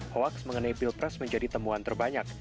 hoaks mengenai pilpres menjadi temuan terbanyak